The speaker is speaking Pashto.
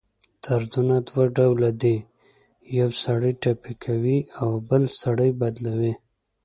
دردونه دوه ډؤله دی: یؤ سړی ټپي کوي اؤ بل سړی بدلؤي.